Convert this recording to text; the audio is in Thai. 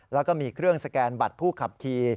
แล้วก็มีเครื่องสแกนบัตรผู้ขับขี่